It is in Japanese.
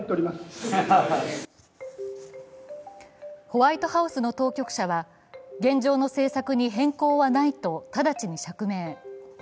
ホワイトハウスの当局者は現状の政策に変更はないと直ちに釈明。